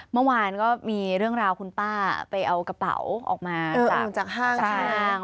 เมื่อวานก็มีเรื่องราวคุณป้าไปเอากระเป๋าออกมาจากห้าง